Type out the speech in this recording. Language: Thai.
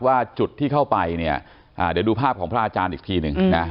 ว่าจุดที่เข้าไปเนี่ยเดี๋ยวดูภาพของพระอาจารย์อีกทีหนึ่งนะ